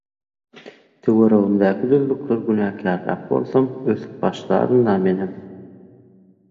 Töweregimdäki düzlükleri günäkärläp bolsam ösüp başlarynda menem.